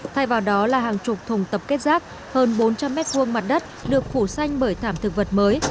thay vào đó là hàng chục thùng tập kết giác hơn bốn trăm linh mét vuông mặt đất được phủ xanh bởi thảm thực vật mới